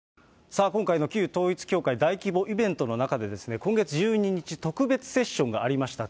さあ、今回の旧統一教会、大規模イベントの中で、今月１２日、特別セッションがありました。